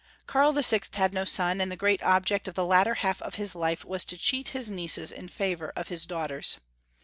Karl VI. had no son, and the great object of the latter half of his life was to cheat his nieces in favor of his daughters.